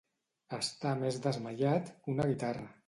Estar més desmaiat que una guitarra.